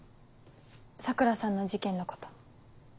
桜さんの事件のこと。